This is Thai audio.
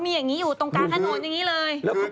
มีอย่างนี้อยู่ตรงกลางถนนอย่างนี้เลย